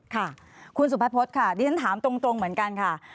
ค่ะคุณสุพัฒพฤษค่ะดิฉันถามตรงเหมือนกันค่ะ